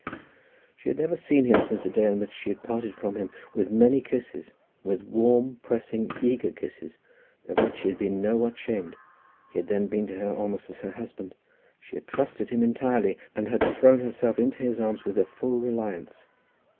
She had never seen him since a day on which she had parted from him with many kisses, with warm, pressing, eager kisses, of which she had been nowhat ashamed. He had then been to her almost as her husband. She had trusted him entirely, and had thrown herself into his arms with a full reliance.